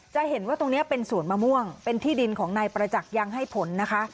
จะเห็นว่าตรงนี้เป็นสวนมะม่วงเป็นที่ดินของนายประจักษ์ยังให้ผลนะคะ